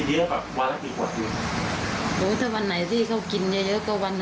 เดี๋ยวด้วยได้บางครั้งหมดมันไหนหรือเขากินเยอะก็วันนี้